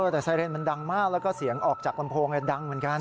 แต่ไซเรนมันดังมากแล้วก็เสียงออกจากลำโพงดังเหมือนกัน